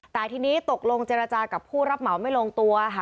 แต่ทีนี้ตกลงเจรจากับผู้รับเหมาไม่ลงตัวค่ะ